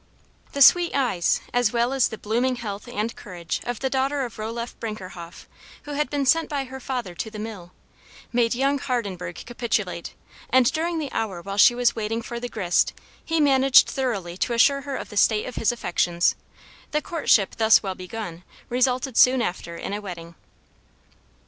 The sweet eyes as well as the blooming health and courage of the daughter of Roeliffe Brinkerhoff who had been sent by her father to the mill, made young Hardenberg capitulate, and during the hour while she was waiting for the grist he managed thoroughly to assure her of the state of his affections; the courtship thus well begun resulted soon after in a wedding.